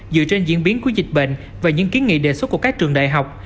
dựa trên diễn biến của dịch bệnh và những kiến nghị đề xuất của các trường đại học